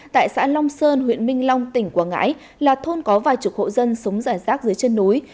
tại xã long sơn huyện minh long tỉnh quảng ngãi là thôn có vài chục hộ dân sống rải rác dưới chân núi